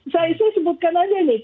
saya sebutkan aja nih